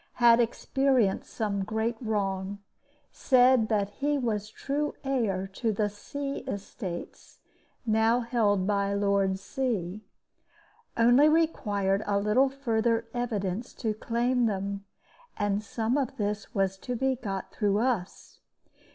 Had experienced some great wrong. Said that he was true heir to the C. estates now held by Lord C. Only required a little further evidence to claim them; and some of this was to be got through us.